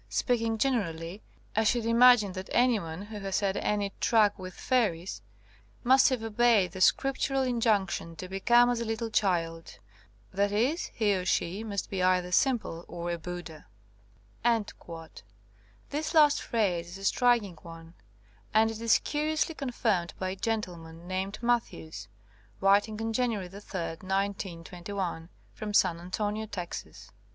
Speaking generally, I should imag ine that anyone who has had any truck with fairies must have obeyed the scriptural in junction to 'become as a little child,' i.e. he or she must be either simple or a Buddha.'* 153 THE COMING OF THE FAIRIES This last phrase is a striking one, and it is curiously confirmed by a gentleman named Matthews, writing on January 3, 1921, from San Antonio, Texas.